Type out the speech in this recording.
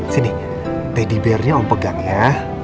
sini teddy barnya om pegang ya